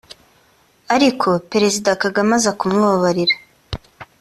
ariko Perezida Kagame aza kumubabarira